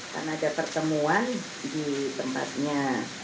karena ada pertemuan di tempatnya